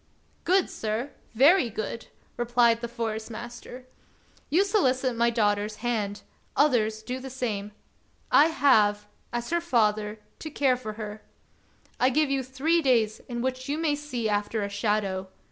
"Good, sir; very good!" replied the Forest master. "You solicit my daughter's hand ; others do the same. I have, as her father, to care for her. I give you three days in which you may see after a shadow.